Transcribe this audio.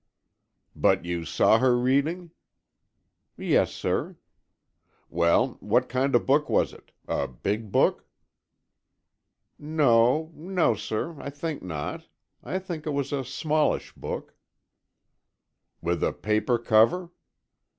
"But you saw her reading?" "Yes, sir." "Well, what kind of book was it? A big book?" "No—no, sir, I think not. I think it was a smallish book——" "With a paper cover?"